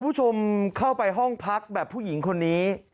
คุณผู้ชมเข้าไปห้องพักแบบผู้หญิงคนนี้